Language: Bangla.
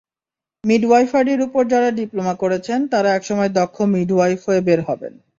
মিডওয়াইফারির ওপর যাঁরা ডিপ্লোমা করছেন, তাঁরা একসময় দক্ষ মিডওয়াইফ হয়ে বের হবেন।